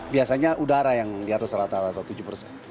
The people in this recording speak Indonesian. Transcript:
biasanya udara yang di atas rata rata tujuh persen